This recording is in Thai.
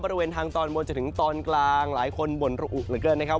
บริเวณทางตอนบนจนถึงตอนกลางหลายคนบ่นระอุเหลือเกินนะครับ